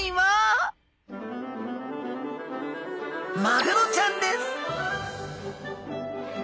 マグロちゃんです！